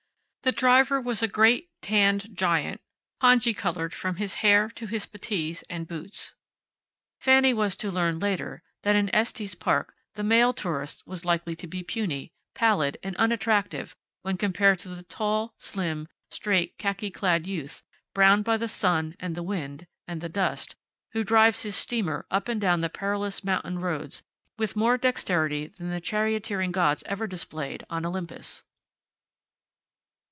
The driver was a great tanned giant, pongee colored from his hair to his puttees and boots. Fanny was to learn, later, that in Estes Park the male tourist was likely to be puny, pallid, and unattractive when compared to the tall, slim, straight, khaki clad youth, browned by the sun, and the wind, and the dust, who drives his steamer up and down the perilous mountain roads with more dexterity than the charioteering gods ever displayed on Olympus.